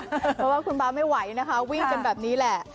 เพราะว่าคุณบ๊าไม่ไหวนะคะวิ่งกันแบบนี้แหละ